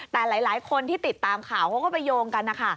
แต่หลายคนที่ติดตามข่าวเขาก็ไปโยงกันนะคะ